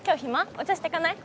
お茶してかない？